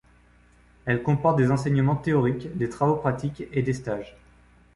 Elles comportent des enseignements théoriques, des travaux pratiques et des stages.